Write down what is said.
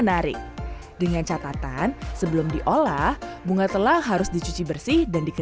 karena sebelumnya ini sudah dibersihkan ya